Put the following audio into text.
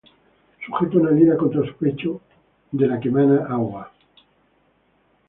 Sujeta una lira contra su pecho, de la que mana agua.